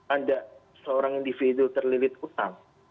ada seorang individu terlilit utang